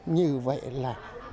như vậy là